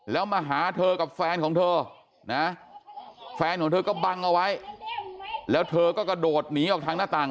แล้วมาหาเธอกับแฟนของเธอนะแฟนของเธอก็บังเอาไว้แล้วเธอก็กระโดดหนีออกทางหน้าต่าง